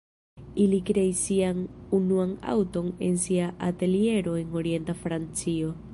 Ili kreis sian unuan aŭton en sia ateliero en orienta Francio.